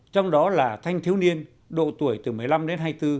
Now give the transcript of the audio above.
trong đó là thanh thiếu niên độ tuổi từ một mươi năm đến hai mươi bốn